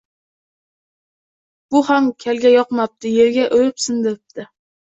Bu ham kalga yoqmabdi, yerga urib sindiribdi